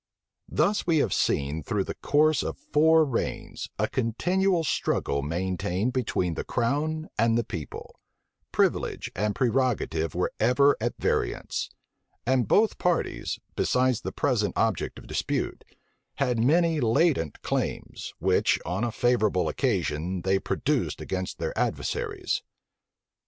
Thus have we seen, through the course of four reigns, a continual struggle maintained between the crown and the people: privilege and prerogative were ever at variance: and both parties, beside the present object of dispute, had many latent claims, which, on a favorable occasion, they produced against their adversaries.